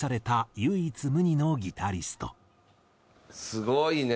すごいね！